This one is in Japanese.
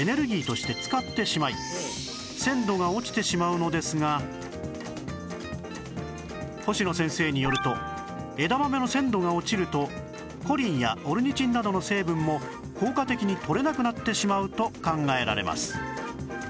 その際に星野先生によると枝豆の鮮度が落ちるとコリンやオルニチンなどの成分も効果的にとれなくなってしまうと考えられます